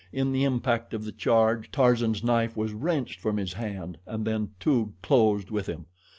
In the impact of the charge, Tarzan's knife was wrenched from his hand and then Toog closed with him.